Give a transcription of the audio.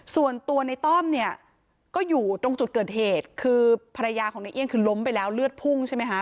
ส่วนตัวในต้อมเนี่ยก็อยู่ตรงจุดเกิดเหตุคือภรรยาของในเอี่ยงคือล้มไปแล้วเลือดพุ่งใช่ไหมคะ